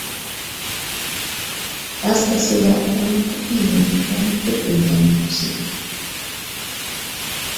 ياز پەسلىدە توڭلاتقۇدىكى يېمەكلىكلەرنى كۆپ يېمىگەن ياخشى.